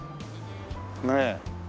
ねえ。